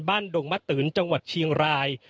ดงมะตืนจังหวัดเชียงราย